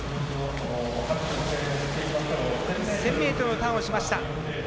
１０００ｍのターンをしました。